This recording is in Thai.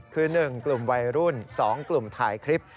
คือ๑กลุ่มวัยรุ่น๒กลุ่มถ่ายคลิป